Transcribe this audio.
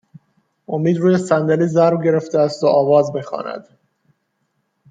امید روی صندلی ضرب گرفته است و آواز می خواند